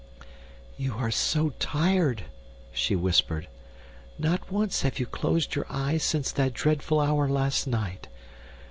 "You are so tired," she whispered. "Not once have you closed your eyes since that dreadful hour last night.